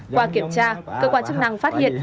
qua kiểm tra cơ quan chức năng phát hiện